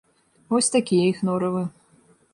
Вось такія іх норавы.